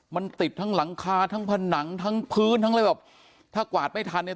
มันติดทั้งหลังคาทั้งผนังทั้งพื้นทั้งอะไรแบบถ้ากวาดไม่ทันเนี่ย